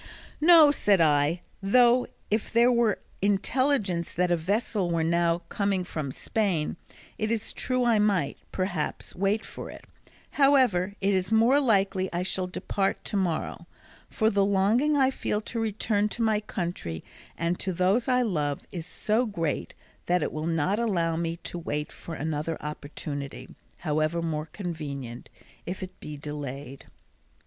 "No," said I; "though if there were intelligence that a vessel were now coming from Spain it is true I might, perhaps, wait for it; however, it is more likely I shall depart to morrow, for the longing I feel to return to my country and to those I love is so great that it will not allow me to wait for another opportunity, however more convenient, if it be delayed."